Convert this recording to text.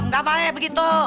gak boleh begitu